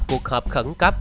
cuộc hợp khẩn cấp